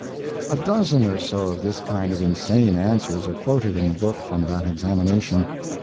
A dozen or so of this kind of insane answers are quoted in the book from that examination.